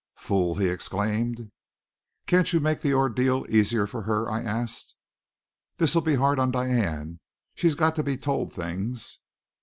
"Fool!" he exclaimed. "Can't you make the ordeal easier for her?" I asked. "This'll be hard on Diane. She's got to be told things!"